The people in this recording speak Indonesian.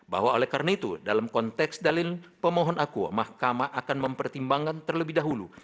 bahwa oleh karena itu dalam konteks dalil pemohon aku mahkamah akan mempertimbangkan terlebih dahulu